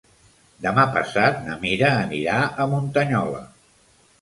Demà passat na Mira anirà a Muntanyola.